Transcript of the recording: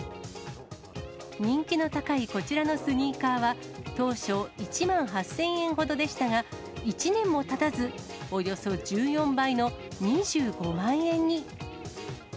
人気の高いこちらのスニーカーは、当初１万８０００円ほどでしたが、１年もたたず、およそ１４倍の２５万円に。